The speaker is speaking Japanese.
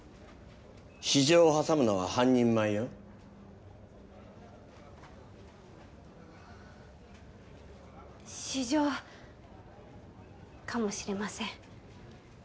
私情を挟むのは半人前よ私情かもしれません